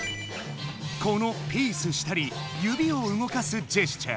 このピースしたりゆびを動かすジェスチャー。